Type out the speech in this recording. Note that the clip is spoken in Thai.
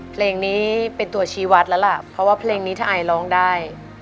เพลงนี้เป็นตัวชีวัตรแล้วล่ะเพราะว่าเพลงนี้ถ้าไอร้องได้